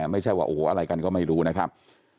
ไม่ใช่ว่าโอ้โหอะไรกันก็ไม่รู้นะครับ